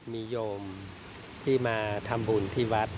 มีโยมที่มาทำบุญที่วัด